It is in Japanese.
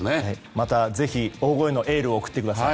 また、ぜひ大声のエールを送ってください。